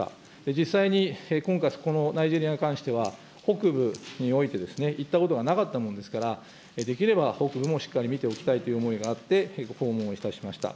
実際に今回、このナイジェリアに関しては、北部において、行ったことがなかったものですから、できれば北部もしっかり見ておきたいという思いがあって、訪問をいたしました。